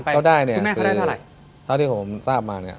เพื่อม่าเขาได้เท่าไร